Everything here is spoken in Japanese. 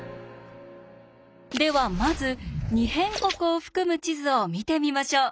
ではまず「二辺国」を含む地図を見てみましょう。